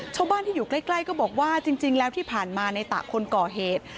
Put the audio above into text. ชาวบ้านที่อยู่ใกล้ก็บอกว่าจริงแล้วที่ผ่านมาในตะคนก่อเหตุ